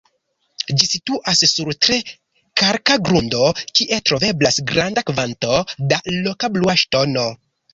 Ĝi situas sur tre kalka grundo, kie troveblas granda kvanto da loka "blua ŝtono".